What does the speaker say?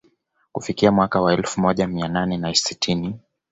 Kufikia mwaka wa elfu moja mia nane na sitini